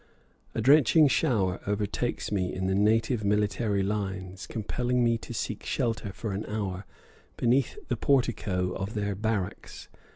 A drenching shower overtakes me in the native military lines, compelling me to seek shelter for an hour beneath the portico of their barracks.